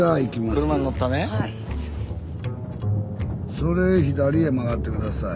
それ左へ曲がって下さい。